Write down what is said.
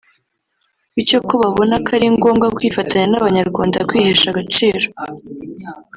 bityo ko babona ko ari ngombwa kwifatanya n’Abanyarwanda kwihesha agaciro